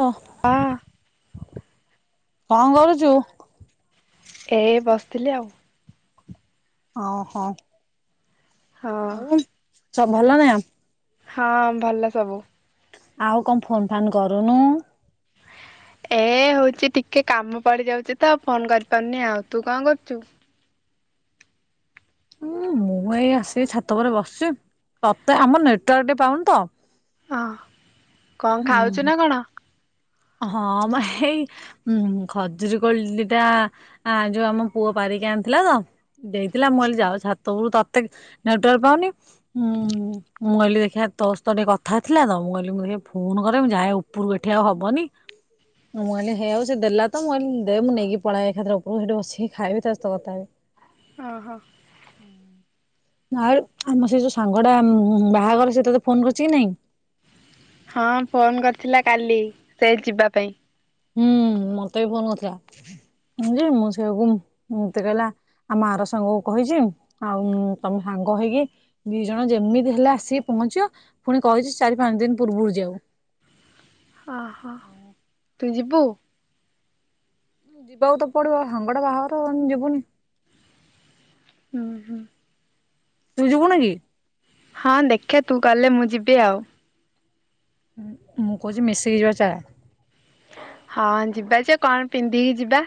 ଲୋ ହଁ କଣ କରୁଚୁ? ଏଇ ବସିଥିଲି ଆଉ। ଓହୋ। ହଁ। ଆଉ ସବୁ ଭଲ ନାଁ। ହଁ ଭଲ ସବୁ। ଆଉ କଣ ଫୋନ୍ ଫାନ୍ କରୁନୁ। ଏ ହଉଛି ଟିକେ କାମ ପଡିଯାଉଛି ତ ଆଉ ଫୋନ କରିପାରୁନି ଆଉ ତୁ କଣ କରୁଚୁ। ହୁଁ ମୁଁ ଏଇ ଆସିକି ଛାତ ଉପରେ ବସିଛି। ତତେ ଆମ ନେଟୱାର୍କ ଟିକେ ପାଉନିତ। ଅଁ କଣ ଖାଉଛୁ ନା କଣ? ହଁ ମ ହେଇ ହୁଁ ଖଜୁରୀ କୋଳି ଦି ଟା ଆ ଯୋଉ ଆମ ପୁଅ ପାରିକି ଆଣିଥିଲା ତ ଦେ ଥିଲା ମୁଁ କହଲି ଯାଉଚି ଛାତ ଉପରକୁ ତତେ ନେଟୱାର୍କ ପାଉନି। ହୁଁ [inaudible] ମୁଁ କହିଲି ଦେଖିଆ ତୋ ସହିତ ଟିକେ କଥା ଥିଲା ତ। ମୁଁ କହିଲି ମୁଁ ଦେଖିଆ ଫୋନ କରେ ମୁଁ ଯାଏ ଉପରକୁ ଏଠି ଆଉ ହବନି। ମୁଁ କହିଲି ହେ ଆଉ ସେ ଦେଲା ତ ମୁଁ କହିଲି ଦେ ମୁଁ ନେଇକି ପଳାଇ ଏକାଥରେ ଉପରକୁ ସେଠି ବସିକି ଖାଇବି ତା ସହିତ କଥା ହେବି। [inaudible] ଓହୋ। ଆ ଆମ ସେ ଯୋଉ ସାଙ୍ଗଟା ବାହାଘର ସେ ତତେ ଫୋନ କରୁଛି କି ନାଇଁ। ହଁ ଫୋନ କରିଥିଲା କାଲି ସେ ଯିବା ପାଇଁ। ହୁଁ ମତେ ବି ଭଲ କରିଥିଲା। ଯେ ମୁଁ ସେଆକୁ ମତେ କହିଲା ଆ ମା ର ସାଙ୍ଗ କ କହିଛି। ଆଉ ତମେ ସାଙ୍ଗ ହେଇକି ଦି ଜଣ ଯେମିତି ହେଲେ ଆସିକି ପହଞ୍ଚିବ। ପୁଣି କହିଛି ଚାରି ପାଞ୍ଚ ଦିନ ପୂର୍ବରୁ ଯିଆକୁ। ଅହୋ ତୁ ଯିବୁ? ଯିବାକୁ ତ ପଡିବ। ସାଙ୍ଗଟା ବାହାଘର ଯିବୁନି। ହୁଁ ହୁଁ। ତୁ ଯିବୁନ କି? ହଁ ଦେଖିବା ତୁ ଗଲେ ମୁଁ ଯିବି ଆଉ। ହଁ ମୁଁ କହୁଛି ମିଶିକି ଯିବ ଚା। ହଁ ଯିବା ଯେ କଣ ପିନ୍ଧିକି ଯିବା।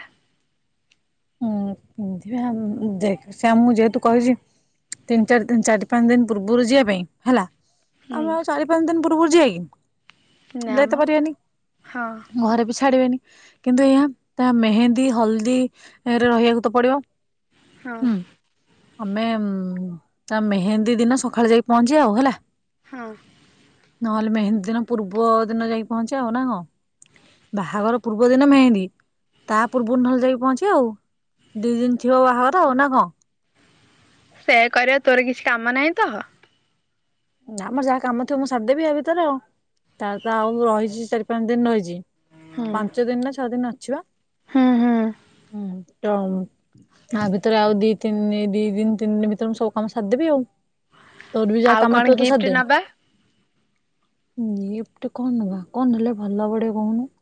ହଁ ପିନ୍ଧିବା ସେ ମୁଁ ଯେହେତୁ କହିଛି ତିନି ଚାରି ଚାରି ପାଞ୍ଚ ଦିନ ପୂର୍ବରୁ ଯିବା ପାଇଁ ହେଲା। ହୁଁ ଆମେ ଆଉ ଚାରି ପାଞ୍ଚ ଦିନ ପୂର୍ବରୁ ଯାଇ କି ନା ମ ଯାଇତ ପାରିବେନି। ହଁ ଘରେ ବି ଛାଡିବେନି। କିନ୍ତୁ ଏହାଇ ତା ମେହେନ୍ଦୀ ହଳଦୀରେ ରହିବାକୁ ତ ପଡିବ ହଁ। ହୁଁ। ଆମେ ତା ମେହେନ୍ଦୀ ଦିନ ସକାଳେ ଯାଇକି ପହଞ୍ଚିବା ଆଉ ହେଲା। ହଁ। ନହେଲେ ମେହେନ୍ଦୀ ଦିନ ପୂର୍ବ ଦିନ ଯାଇକି ପହଞ୍ଚିବା ଆଉ ନା କଣ। ବାହାଘର ପୂର୍ବ ଦିନ ମେହେନ୍ଦୀ ତା ପୂର୍ବରୁ ନହେଲେ ଯାଇକି ପହଞ୍ଚି ଆଉ। ଦି ଦିନ ଥିବ ବାହାଘର ଆଉ ନା କଣ? ସେ କରିବା। ତୋର କିଛି କାମ ନାହିଁ ତ। ଆମର ଯାହା କାମ ଥିବ ମୁଁ ସାରିଦେବି ହେ ଭିତର ଆଉ। ତ ଆଉ ରହିଛି ଚାରି ପାଞ୍ଚ ଦିନ ରହିଛି। ହୁଁ ପାଞ୍ଚ ଦିନ ନା ଛଅ ଦିନ ଅଛିିବା। ହୁଁ ହୁଁ। ହୁଁ ତ ଆ ଭିତରେ ଆଉ ଦି ତିନି ଦି ଦିନ ତିନି ଦିନ ଭିତରେ ମୁଁ ସବୁ କାମ ସାର ଦେବି ଆଉ। ତୋର ବି ଯାହା ଆଉ କାମ କଣ ତୋର ତ ଗିଫ୍ଟ ସାରି ଦେ। ନବା ହଁ ଏପଟେ କଣ ନବା କଣ ହେଲେ ଭଲ ଟିକେ କହୁନୁ?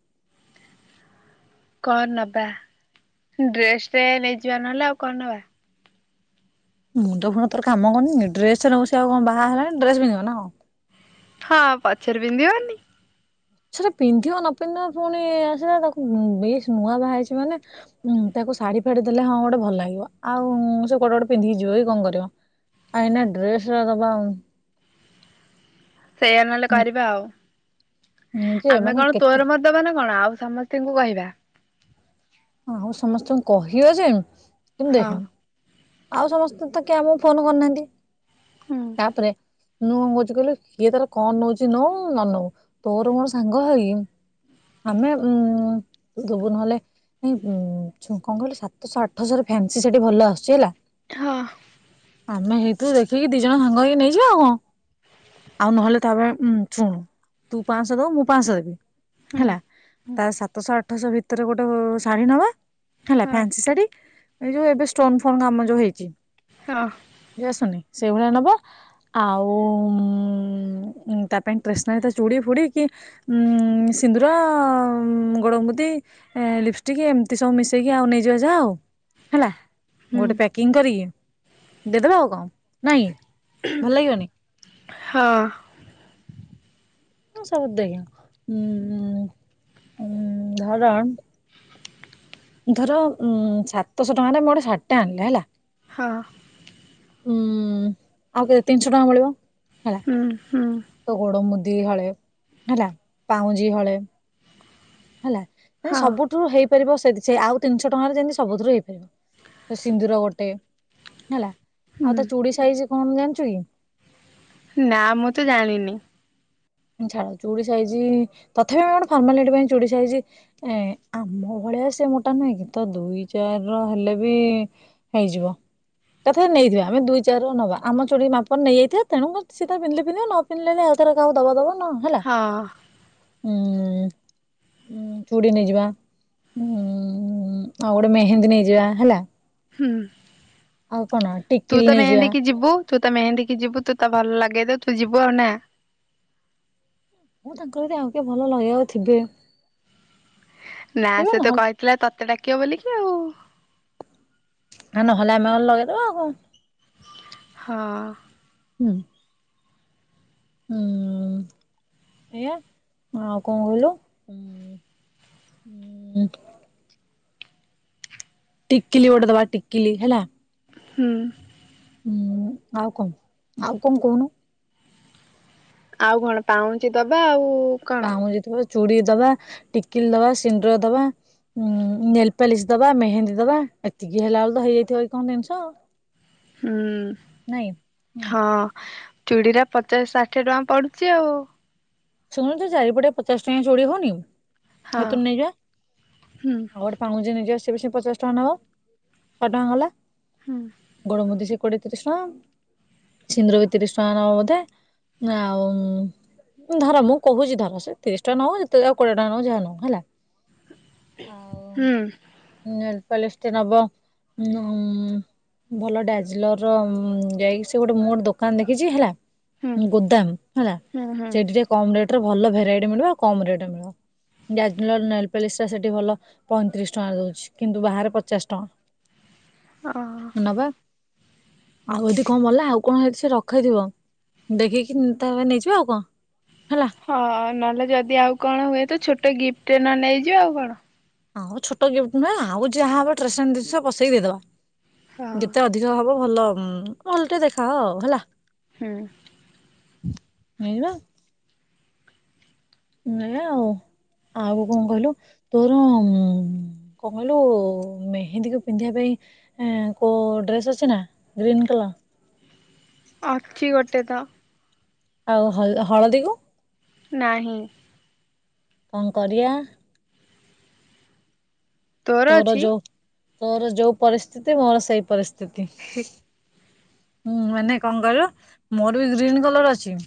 କଣ ନବା, ଡ୍ରେସ ଟେ ନେଇଯିବା ନହେଲେ ଆଉ କଣ ନବା? ମୁଣ୍ଡ ଫୁଣ୍ଡ ତୋର କାମ କରୁନି ଡ୍ରେସ ସେ ନବା ଆଉ କଣ ବାହା ହେଲାଣି ଡ୍ରେସ ପିନ୍ଧିବ ନା କଣ? ହଁ, ପଛରେ ବପିନ୍ଧିବନି। ସେଟା ପିନ୍ଧିବ ନ ପିନ୍ଧିବ ପୁଣି ଆସିଲା ତାକୁ ବେଶ ନୂଆ ବାହା ହେଇଛି ମାନେ ହୁଁ ତାକୁ ଶାଢୀ ଫାଡି ଦେଲେ ହଁ ଗୋଟେ ଭଲ ଲାଗିବ, ଆଉ ସେ କୁଆଡେ ଗୋଟେ ପିନ୍ଧିକି ଯିବ କି କଣ କରିବ? ଆଏଇନା ଡ୍ରେସ୍ ଟା ଦବା। ସେଇଆ ନହେଲେ କରିବା ଆଉ, ଯେ ଆମେ ମାନେ କଣ କେତେ ତୋର ମୋର ଦବାନା କଣ ଆଉ ସମସ୍ତଙ୍କୁ କହିବା। ହଁ ହଉ ସମସ୍ତଙ୍କୁ କହିବା ଯେ, କିନ୍ତୁ ହଁ ଦେଖେ ଆଉ ସମସ୍ତେ ତ କେ ଆମକୁ ଫୋନ କରିୁନାହାନ୍ତି। ହୁଁ ତାପରେ ମୁୁଁ କଣ କହୁଛି କହିଲୁ, କିିଏ ତାର କଣ ନଉଛି ନ ନନଉ ତୋର ମୋର ସାଙ୍ଗ ହେଇ ଆମେ ଦବୁ ନହେଲେ ନାଇଁ କଣ କହିଲି ସାତଶହ ଆଠଶହ ଫ୍ୟାନ୍ସି ଶାଢି ଭଲ ଆସୁଛି ହେଲା। ହଁ। ଆମେ ହେଇଥିୁରୁ ଦେଖିକି ଦି ଜଣ ସାଙ୍ଗ ହେଇକି ନେଇଯିବା ଆଉ କଣ। ଆଉ ନହେଲେ ତାପରେ ଉ ଶୁଣୁ ତୁ ପାଁଶହ ଦବୁ ମୁଁ ପାଁଶହ ଦେବି। ହୁଁ ହେଲା ହୁଁ ତା ସାତଶହ ଆଠଶହ ଭିତରେ ଗୋଟେ ଶାଢୀ ନବା। ହେଲା ହଁ ଫାନ୍ସି ଶାଢୀ ଏଇ ଯୋଉ ଏବେ ଷ୍ଟୋନ ଫୋନ୍ କାମ ଯୋଉ ହେଇଛି। ହଁ। ଯ ଆସୁନି ସେଇଭଳିଆ ନବ ଆଉ ତା ପାଇଁ ଟେଷ୍ନାରି ତା ଚୁଡ଼ି ଫୁଡି କି ଉଁ ସିନ୍ଦୁର ଗୋଡ ମୁୁଦି ଲିପ ଟିକେ ଏମିତି ସବୁ ମିଶେଇକି ଆଉ ନେଇଯିବା ଯାହା ଆଉ, ହେଲା ହୁଁ ଗୋଟେ ପ୍ୟାକ କିଂ କରିକି ଦେଇଦେବା ଆଉ କଣ, ନାଇଁ ଭଲ ଲାଗିବନି। ହଁ। ସବୁ ଦେଲ ଉଁ ଉଁ ଧର ଧର ଉ ସାତଶହ ଟଙ୍କାରେ ମୋ ଶାଢୀ ଟା ଆଣିଲେ ହେଲା। ହଁ। ହମ୍ ଆଉ କେତେ ତିନିଶହ ଟଙ୍କା ବଳିବ। ହୁଁ ହୁଁ। ତ ଗୋଡ଼ ମୁଦି ହଳେ ପାଉଁଜି ହଳେ ହେଲା। ହଁ ସବୁଠୁ ହେଇପାରିବ ସେ ଆଉ ତିନିଶହ ଟଙ୍କାରେ ଯେମିତି ସବୁଠୁ ହେଇପାରିବ। ସେ ସିନ୍ଦୁର ଗୋଟେ ହେଲା, ହୁଁ ଆଉ ତା ଚୁଡ଼ି ସାଇଜ କଣ ଜାଣିଛୁ କି? ନା ମୁଁ ତ ଜାଣିନି। ଛାଡ ଚୁଡ଼ି ସାଇଜି ତଥାପି ଆମେ ଗୋଟେ ଫର୍ମାଲିଟି ପାଇଁ ଚୁଡ଼ି ସାଇଜି ଏ ଆମ ଭଳିଆ ସେ ମୋଟା ନୁହେଁ କି ତ ଦୁଇ ଚାରି ର ହେଲେ ବି ହେଇଯିବ। ତଥାବି ନେଇଥିବା ଆମେ ଦିଇ ଚାର ର ନବା ଆମ ଚୋଢି ମାପନ ନେଇଥିବା ତେଣୁ ସେ ପିନ୍ଧିଲେ ପିନ୍ଧିବା ନ ପିନ୍ଧିଲେ ନାଇ ଆଉ ତାର କାହାକୁ ଦବ ଦବ ନ ହେଲ।, ହଁ ହୁଁ ଉଁ ଚୁଡ଼ି ନେଇଯିବା, ଉ ଆଉ ଗୋଟେ ମେହେନ୍ଦୀ ନେଇଯିବା, ହେଲା। ହୁଁ ଆଉ କଣ ତୁ ଟିକିଲି ତ ନେଇଯିବା ମେହେନ୍ଦକି ଯିବୁ? ତୁ ତ ମେହେନ୍ଦୀ କି ଯିବୁ ତୁ ତ ଭଲ ଲାଗେ ତ ତୁ ଯିବୁ ଆଉ ନା? ମୁଁ ତାଙ୍କର ଯଦି ଆଉ କିଏ ଭଲ ଲଗେଇ ବାକୁ ଥିବେ। ନା ତେବେ ସେ ତ ନହେଲେ କହିଥିଲା ତତେ ଡାକିବ ବୋଲିକି ଆଉ। ଆ ନହେଲେ ଆମେ ଗଲେ ଲଗେଇଦବା ଆଉ କଣ। ହଁ। ହୁଁ। ହୁଁ ଏୟା ଆଉ କଣ କହିଲୁ? ଉଁ ଟିକିଲି ଗୋଟେ ଦେବା ଟିକିଲି ହେଲା ହୁଁ ହୁଁ ଆଉ କଣ ଆଉ କଣ କହୁନୁ? ଆଉ କଣ ପାଉଁଜି ଦବା ଆଉ କଣ ପାଉଁଜି ଦବା ଚୁଡି ଦବା ଟିକିଲି ଦବା ସିନ୍ଦୁର ଦବା ଉଁ ନେଲପଲିସ ଦବା ମେହେନ୍ଦୀ ଦବା ଏତିକି ହେଲା ବେଳ ତ ହେଇଯାଇଥିବ କି କଣ ଜିନିଷ ଆଉ ହୁଁ ହୁଁ ହଁ ଚୁଡ଼ି ରା ପଚାଶ ଷାଠିଏ ଟଙ୍କା ପଡୁଚି ଆଉ ଶୁଣୁଛୁ ଚାରିପଟେ ପଚାଶ ଟଙ୍କା ଚୁଡ଼ି ହଉନି ହଁ ସେଥିରୁ ନେଇଜିବା ହୁଁ ଆଉ ପାଉଁଜି ନେଇଯିବା ସେ ବି ସେ ପଚାଶ ଟଙ୍କା ନେବ ଶହେ ଟଙ୍କା ଗଲା ହୁଁ ଗୋଡ଼ ମୁଦି ସେଇ କୋଡିଏ ତିରିଶ ଟଙ୍କା ସିନ୍ଦୁର ଭି ତିରିଶ ଟଙ୍କା ନବ ବୋଧେ ଆଉ ଧର ମୁଁ କହୁଛି ଧର ସେ ତିରିଶ ଟଙ୍କା ନଅ ଯେତେ ଯା କୋଡିଏ ଟା ନ ଯାହା ନେଁ ହେଲା। ହୁଁ। ହଁ ନେଲପାଲିଶ କିଏ ନବ ହଁ। ଭଲ ଡାଜଲର ର ଯାଇକି ସେ ଗୋଟେ ମୋର ଦୋକାନ ଦେଖିଛି ହେଲା। ହୁଁ ଗୋଦାମ ହେଲା ହୁଁ ସେଇଠି ହୁଁ ଟିକେ କମ ରେଟ ଭଲ ଭେରାଇଟି ମିଳିବ କମ ରେଟ ମିଳିବ। ଡାଜଲରର ନେଲପଲିସ ଟା ସେଠି ଭଲ ପଇଁତିରିଶ ଟଙ୍କା ଦଉଛି କିନ୍ତୁ ବାହାରେ ପଚାଶ ଓ ଟଙ୍କା। ନବା। ଆଉ ଏଦି କଣ ବଳିଲା ଆଉ କଣ ହେଇଛି ସେ ରଖେଇଥିବ। ଦେଖିକି ତାରେ ନେଇଯିବା ଆଉ କଣ ହେଲା। ହଁ ନହେଲେ ଯଦି ଆଉ କଣ ହୁଏ ତ ଛୋଟ ଗିଫ୍ଟ ନ ନେଇଯିବା ଆଉ କଣ? ହଉ ଛୋଟ ଗିଫ୍ଟ ନୁହେଁ ଆଉ ଯାହା ହବ ଟେଶନାରୀ ଜିନିଷ ବସେଇ ଦେଇଦବା ଯେତେ ହଁ ଅଧି ଅଧିକ ହବ ଭଲ ଭଲ ଟେ ଦେଖାଓ ହେଲା। ହଁ। ନେଇଯିବା। ନିଆ ଆଉ ଆଉ କଣ କହିଲୁ? ତୋର ଉ କଣ କହିଲୁ ମେହେନ୍ଦୀକୁ ପିନ୍ଧିବା ପାଇଁ ଏଁ କୋଉ ଡ୍ରେସ୍ ଅଛି ନା ଗ୍ରୀନ୍ କଲର? ଅଛି ଗୋଟେ ତ। ଆଉ ହ ହଳଦୀ କୁ ନାହିଁ। କଣ କରିଆ ତୋର ଯୋଉ ତୋର ଯୋଉ ପରିସ୍ଥିତି ମୋର ସେଇ ପରିସ୍ଥିତି। [inaudible] ହୁଁ ମାନେ କଣ କହିଲୁ ମୋର ବି ଗ୍ରୀନ କଲର ଅଛି।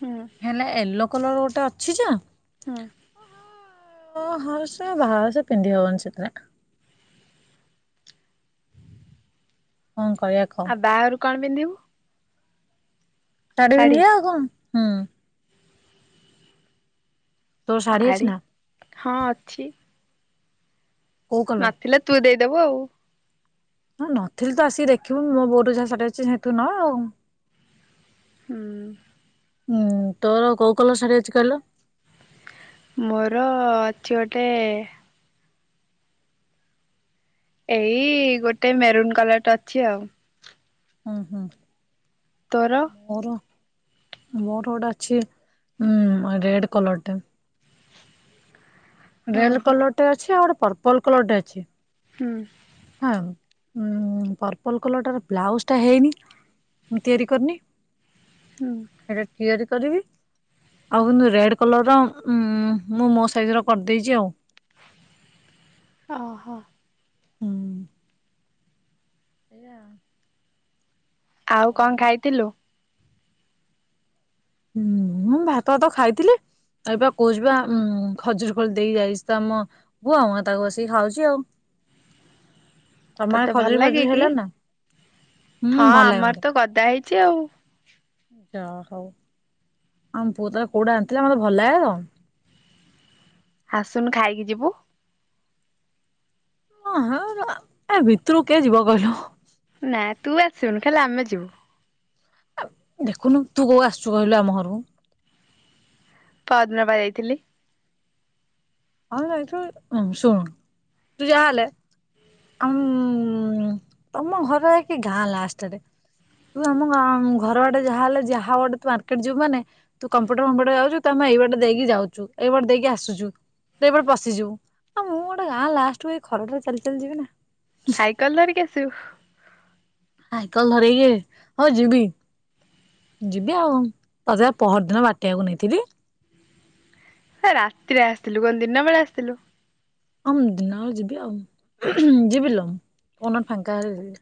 ହୁଁ। ହେଲେ ୟେଲୋ କଲର୍ ଗୋଟେ ଅଛିଯେ ହୁଁ। ହ ହଉ ସେ ବାହାଘ ସେ ପିନ୍ଧି ହବନି ସେଥିରେ କଁ କହିବା କହ ଆଉ ବାହାଘରକୁ କଣ ପିନ୍ଧିବୁ? ଶାଢ଼ୀ ଶାଢୀ ପିନ୍ଧିବା ଆଉ କଣ ହୁଁ। ତୋର ଶାଢୀ ଅଛି ଆରୀ ନା ହଁ ଅଛି। କୋଉ କଲର ନଥିଲେ ତୁ ଦେଇଦବୁ ଆଉ। ହଁ ନଥିଲେ ତ ଆସିକି ଦେଖିବୁ ମୋ ବୋଉର ଯାହା ଶାଢୀ ଅଛି ସେଇଠୁ ନବା ଆଉ। ହୁଁ। ହୁଁ ତୋର କୋଉ କଲର ଶାଢ଼ୀ ଅଛି କହିଲୁ। ମୋର ଅଛି ଗୋଟେ ଏଇ ଗୋଟେ ମେରୁନ୍ କଲରଟେ ଅଛି ଆଉ ହୁଁ ହୁଁ ତୋର? ମୋର। ମୋର ଗୋଟେ ଅଛି ଉଁ ରେଡ କଲର ଟେ ହଁ ରେଲ ହୋ କଲରଟେ ଅଛି ଆଉ ଗୋଟେ ପର୍ପଲ କଲରଟେ ଅଛି ହୁଁ। ଆଉ ଉଁ ପର୍ପଲ କଲରଟା ବ୍ଲାଉଜ ଟା ହେଇନି। ମୁଁ ତିଆରି କରିନି। ହୁଁ ହେଟା ତିଆରି କରିବି ଆଉ କିନ୍ତୁ ରେଡ କଲରର ଉଁ ମୁଁ ମୋ ସାଇଜର କରିଦେଇଛି ଆଉ ଓହୋ ହୁଁ ଆଜ୍ଞା ଆଉ କଣ ଖାଇଥିଲୁ? ହୁଁ ମୁଁ ଭାତ ଭାତ ଖାଇଥିଲି ଏଇପା କହୁଛି ବା ଖଜୁରି କୋଳି ଦେଇ ଯାଇଛି ତ ଆମ କୁହ ମ ତାକୁ ବସିକି ଖାଉଛି ଆଉ ତମର ତୋତେ ଭଲ ଖଜୁରି ଲାଗେ ଫଜୁରି କି? ହେଲା ନା ହଁ ହୁଁ ଭଲ ଲାଗେ ଆମ ଆଡ଼େ ତ ଗଦା ହେଇଛି ଆଉ ଯାହା ହଉ ଆମ ପୁଅ ତାର କୋଉଟା ଆଣିଥିଲା ମତେ ଭଲ ଲାଗେ ଆଉ ଆସୁନୁ ଖାଇକି ଯିବୁ ହଁ ହଁ ଅ ଭିତରୁ କିଏ ଯିବ କହିଲୁ? ନା ତୁ ଆସିବୁନି ଖାଲି ଆମେ ଯିବୁ ଦେଖୁନୁ ତୁ କୋଉ ଆସୁଛୁ କହିଲୁ ଆମ ଘରକୁ ପହରଦିନ ପା ଯାଇଥିଲି। ହଁ ଯାଇଥିବୁ ହୁଁ ଶୁଣ ତୁ ଯାହେଲେ ଆଁ ଉଁ ତମ ଘରେ କି ଗାଁ ଲାଷ୍ଟେ ଆଡ଼େ ତୁ ଆମ ଘର ବାଟେ ଯାହାହଲେ ଯାହା ଆଟେ ତୁ ଯାହା ଗୋଟେ ତୁ ମାର୍କେଟ ଯିବୁ ମାନେ ତୁ କମ୍ପ୍ୟୁଟର ଫମ୍ପୁଟର ଯାଉଛୁ ତମେ ଏଇ ବାଟେ ଦେଇକି ଯାଉଛୁ ଏଇବାଟେ ଦେଇକି ଆସଛୁ ତୁ ଏବାଟେ ପଶିଯିବ ଆଉ ମୁଁ ଗୋଟେ ଗାଁ ଲାଷ୍ଟକୁ ଏଇ ଖରା ଟାରେ ଚାଲି ଚାଲି ଯିବି ନା ସାଇକେଲ ଧରିକି ଆସିବୁ ସାଇକଲ ଧରିକି ହଉ ଯିବି ଯିବି ଆଉ ତତେ ବା ପହରଦିନ ବାଟେଇ ବାକୁ ନେଇଥିଲି ହେ ରାତିରେ ଆସିଥିଲୁ କଣ ଦିନବେଳା ଆସିଥିଲୁ। ହଉ ଦିନ ବେଳେ ଯିବି ଆଉ ହୁଁ ହୁଁ ଯିବି ଲୋ କୋଉ ଦିନ ଫାଙ୍କା ହେଲେ ଯିବି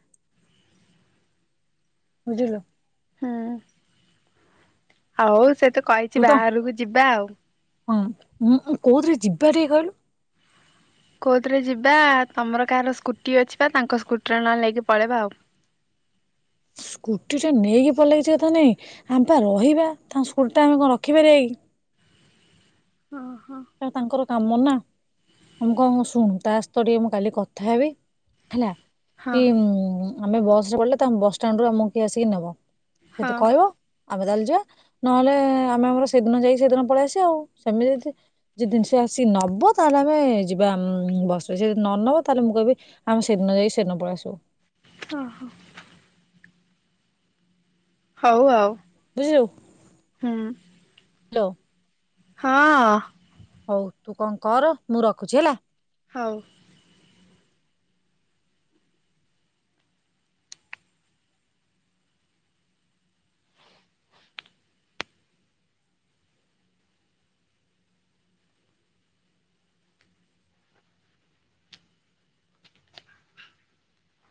ବୁଝିଲୁ ହୁଁ ଆଉ ସେ ତ କହିଛି ତୁ ତ ବାହାଘରକୁ ଯିବା ଆଉ ହଁ ମୁଁ କୋଉଥିରେ ଯିବାଟିକେ କହିଲୁ କଉଥିରେ ଯିବା ତମର କାହାର ସ୍କୁଟି ଅଛି ବା ତାଙ୍କ ସ୍କୁଟିରେ ନହେଲେ ନେଇକି ପଳେଇବା ଆଉ ସ୍କୁଟିଟା ନେଇକି ପଇଲେ କିଛି କଥା ନାଇଁ ଆମ ପା ରହିବା ତାଙ୍କ ସ୍କୁଟିଟା ଆମେ କଣ ରଖିପାରିବା କି ଓ ହୋ ସେଟା ତାଙ୍କର କାମ ନା ମୁଁ କଣ କହୁଛୁ ଶୁଣୁ ତା ସହିତ ଟିକେ ମୁଁ କାଲି କଥା ହେବି ହେଲା ହଁ କି ହଁ ଆମେ ବସରେ ଗଲେ ତାଙ୍କ ବସଷ୍ଟାଣ୍ଡୁ ରୁ ଆମକୁ କିଏ ଆସିକି ନବ ଯଦି ହଁ କହିବ ଆମେ ତାହେଲେ ଯିବା ନହେଲେ ଆମେ ଆମର ସେଇଦିନ ଯାଇକି ସେଦିନ ପଳେଇ ଆସିବା ଆଉ ସେମିତି ଯଦି ଯଦି ଜିନିଷ ଆସିକି ନବ ତାହେଲେ ଆମେ ଯିବା ବସ ବା ସେ ଯଦି ନ ନବ ତାହେଲେ ମୁଁ କହିବି ଆମେ ସେଦିନ ଯାଇ ସେଦିନ ପଳେଇ ଆସିବୁ ହଁ ହଁ ହଉ ଆଉ ବୁଝିଲୁ ହୁଁ ହାଲୋ ହଁ ହୋଉ ତୁ କଣ କର ମୁଁ ରଖୁଛି ହେଲା। ହଉ।